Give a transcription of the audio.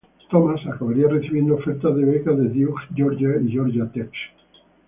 Thomas acabaría recibiendo ofertas de becas de Duke, Georgia y Georgia Tech.